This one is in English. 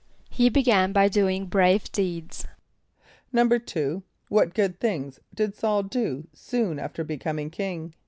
=He began by doing brave deeds.= =2.= What good things did S[a:]ul do soon after he became king?